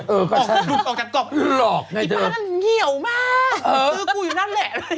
เออดูดออกจากกรอบแบบนั้นอี๋ป้านั้นเหนียวมากชื่อกูอยู่นั่นแหละ